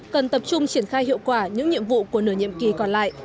cần tập trung triển khai hiệu quả những nhiệm vụ của nửa nhiệm kỳ còn lại